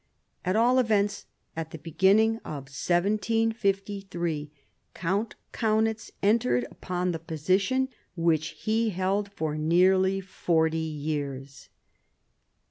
At all events, at the beginning of 1753 Count Kaunitz entered upon the position, which he held for nearly forty years.